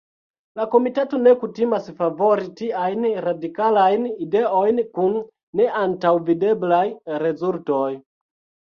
La komitato ne kutimas favori tiajn radikalajn ideojn kun neantaŭvideblaj rezultoj.